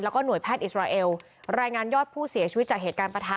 แล้วก็หน่วยแพทย์อิสราเอลรายงานยอดผู้เสียชีวิตจากเหตุการณ์ประทะ